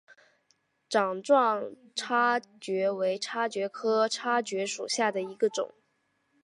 掌状叉蕨为叉蕨科叉蕨属下的一个种。